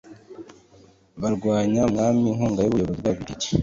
barwanyaga umwami inkunga y ubuyobizi bw Ababirigi